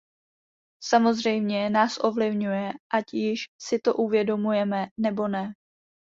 Samozřejmě nás ovlivňuje, ať již si to uvědomujeme nebo ne.